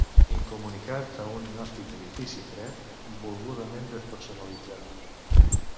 Incomunicat a un inhòspit edifici fred, volgudament despersonalitzat.